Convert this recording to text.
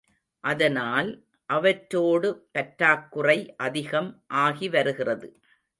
அதனால் அவற்றோடு பற்றாக்குறை அதிகம் ஆகிவருகிறது.